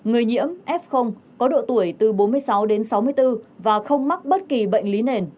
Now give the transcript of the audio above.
người nhiễm f có độ tuổi từ bốn mươi sáu đến sáu mươi bốn và không mắc bất kỳ bệnh lý nền